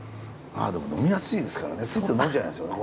でも呑みやすいですからねついつい呑んじゃいますよね